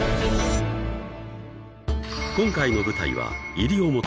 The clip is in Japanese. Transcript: ［今回の舞台は］